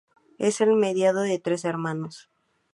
Es el mediano de tres hermanos.